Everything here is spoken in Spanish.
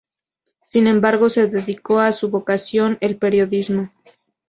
Sin embargo, se dedicó a su vocación, el periodismo.